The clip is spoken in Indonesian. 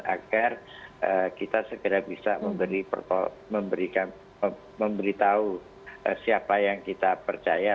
agar kita segera bisa memberitahu siapa yang kita percaya